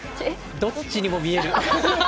どっちにも見える。